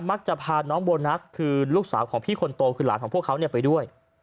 มักจะพาน้องโบนัสคือลูกสาวของพี่คนโตคือหลานของพวกเขาไปด้วย